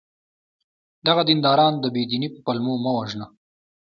دغه دینداران د بې دینی په پلمو مه وژنه!